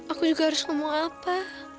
aku juga harus ngomong apa